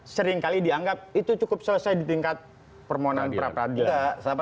seringkali dianggap itu cukup selesai di tingkat permohonan prapradilan